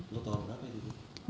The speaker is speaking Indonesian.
lo tau berapa ini